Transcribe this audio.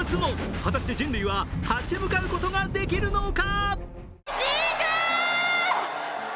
果たして人類は立ち向かうことができるのか。